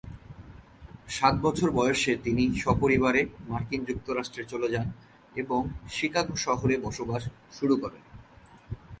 সাত বছর বয়সে তিনি স্বপরিবারে মার্কিন যুক্তরাষ্ট্রে চলে যান এবং শিকাগো শহরে বসবাস শুরু করেন।